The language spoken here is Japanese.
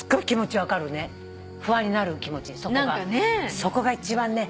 そこが一番ね